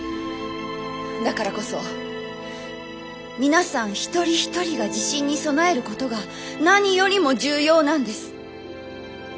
だからこそ皆さん一人一人が地震に備えることが何よりも重要なんです。